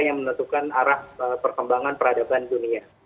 yang menentukan arah perkembangan peradaban dunia